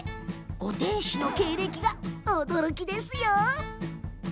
ご店主の経歴が驚きです。